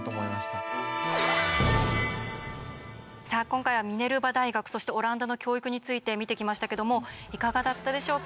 今回はミネルバ大学そしてオランダの教育について見てきましたけどもいかがだったでしょうか？